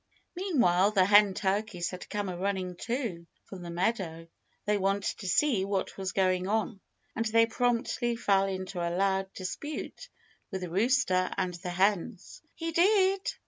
Meanwhile the hen turkeys had come a running too, from the meadow. They wanted to see what was going on. And they promptly fell into a loud dispute with the rooster and the hens. "He did!"